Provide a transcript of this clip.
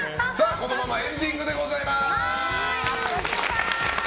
このままエンディングでございます。